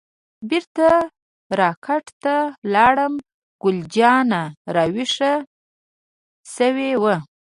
بیرته را کټ ته لاړم، ګل جانه راویښه شوې وه.